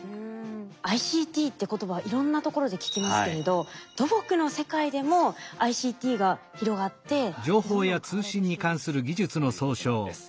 ＩＣＴって言葉はいろんなところで聞きますけれど土木の世界でもＩＣＴが広がってどんどん変わろうとしているんですね。